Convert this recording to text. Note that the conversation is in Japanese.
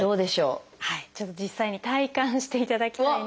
ちょっと実際に体感していただきたいなと思います。